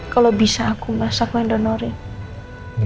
kalau bisa aku mas aku yang donorin